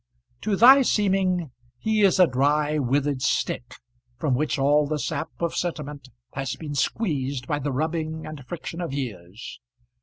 To thy seeming he is a dry, withered stick, from which all the sap of sentiment has been squeezed by the rubbing and friction of years.